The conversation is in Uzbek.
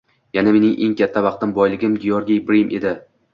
Yana mening eng katta baxtim, boyligim — Georgiy Brim edi.